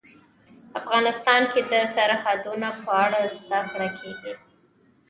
افغانستان کې د سرحدونه په اړه زده کړه کېږي.